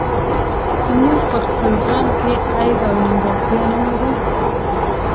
که موږ په خپل ځان کې عیب او نیمګړتیا نه لرو.